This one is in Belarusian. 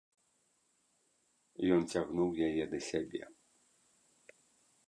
Ён цягнуў яе да сябе.